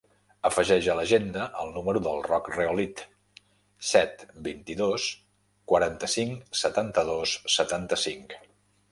Afegeix a l'agenda el número del Roc Reolid: set, vint-i-dos, quaranta-cinc, setanta-dos, setanta-cinc.